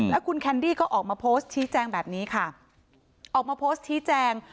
แล้วคุณแคนดี้ก็ออกมาโพสต์ชี้แจงแบบนี้ค่ะออกมาโพสต์ชี้แจง